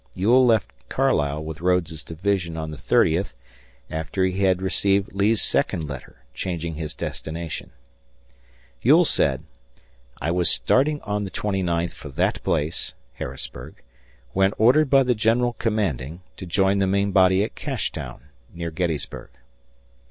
Ewell left Carlisle with Rodes's division on the thirtieth, after he had received Lee's second letter changing his destination Ewell said, "I was starting on the twenty ninth for that place (Harrisburg) when ordered by the General Commanding to join the main body at Cashtown, near Gettysburg."